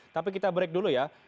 tapi kita break dulu ya